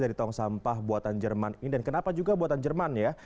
dari tong sampah buatan jerman ini dan kenapa juga buatan jerman ya